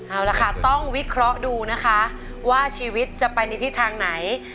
เอาละค่ะต้องวิเคราะห์ดูนะคะว่าชีวิตจะไปในทิศทางไหน